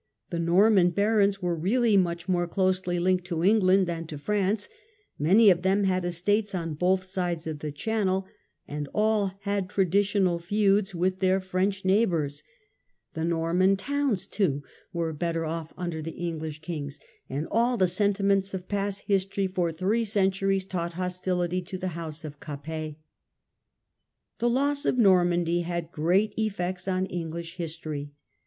The Norman barons were really much more closely linked to England than to France; many of them had estates on both sides of the Channel, and all had traditional feuds with their French 52 THE ENGLISH BARONS. neighbours. The Norman towns, too, were better off under the English kings, and all the sentiments of past history for three centuries taught hostility to the house of Capet. The loss of Normandy had great effects on English history.